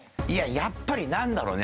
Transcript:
やっぱりなんだろうね？